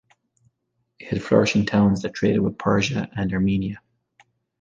It had flourishing towns that traded with Persia and Armenia.